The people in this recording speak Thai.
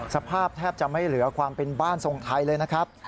สภาพแทบจะไม่เหลือความเป็นบ้านทรงไทยเลยนะครับ